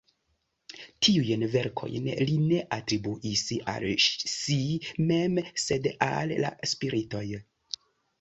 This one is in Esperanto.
Tiujn verkojn li ne atribuis al si mem, sed al la spiritoj.